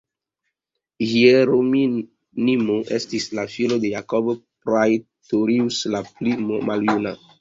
Hieronimo estis la filo de Jacob Praetorius la pli maljuna.